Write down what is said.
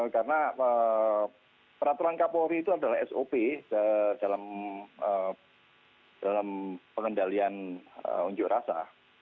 karena peraturan kapolri itu adalah sop dalam pengendalian unjuk rasa